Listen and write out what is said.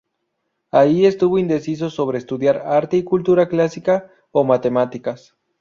Ahí estuvo indeciso sobre estudiar arte y cultura clásica o matemáticas.